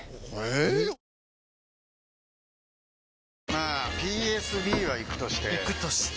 まあＰＳＢはイクとしてイクとして？